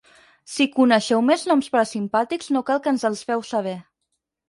Si coneixeu més noms parasimpàtics no cal que ens els feu saber.